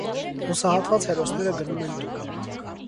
Հուսահատված հերոսները գնում են տուն։